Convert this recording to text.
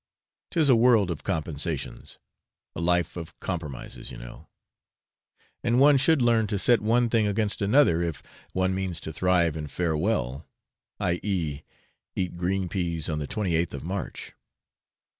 'Tis a world of compensations a life of compromises, you know; and one should learn to set one thing against another if one means to thrive and fare well, i.e. eat green peas on the twenty eighth of March.